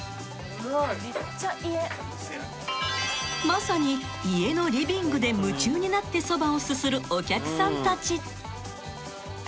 ［まさに家のリビングで夢中になってそばをすするお客さんたち］